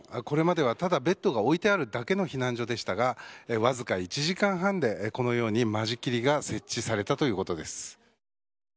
これまではただベッドが置いていあるだけの避難所でしたがわずか１時間半でこのように間仕切りが設置されたということです。